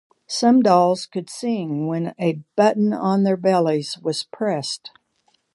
Some dolls could "sing" when a button on their bellies was pressed.